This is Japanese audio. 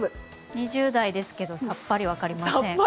２０代ですけどさっぱり分かりません。